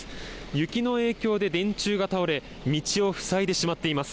雪の影響で電柱が倒れ、道を塞いでしまっています。